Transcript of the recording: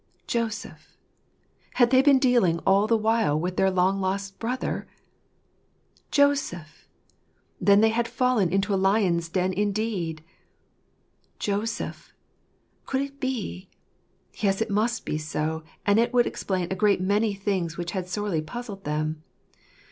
"Joseph!" Had they been dealing all the while with their long lost brother ?" Joseph !" Then they had fallen into a lion's den indeed. " Joseph !" Could it be ? Yes, it must be so ; and it would explain a great many things which had sorely puzzled them.